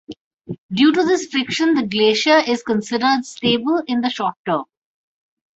Due to this friction the glacier is considered stable in the short term.